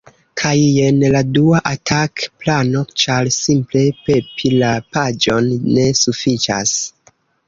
Kaj jen la dua atak-plano ĉar simple pepi la paĝon ne sufiĉas